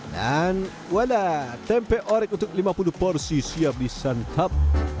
dan wadah tempe orek untuk lima puluh porsi siap disantap